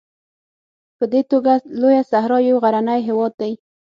په دې توګه لویه صحرا یو غرنی هېواد دی.